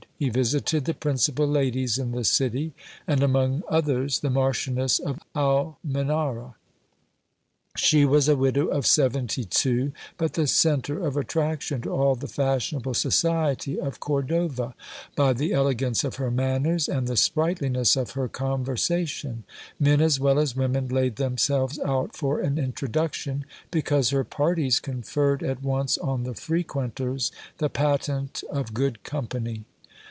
He visited the principal ladies in the city, and among others the Marchioness of Almenara. She was a widow df seventy two, but the centre of attraction to all the fashion able society of Cordova, by the elegance of her manners and the sprightliness of her conversation : men as well as women laid themselves out for an intro duction, because her parties conferred at once on the frequenters the patent of good company.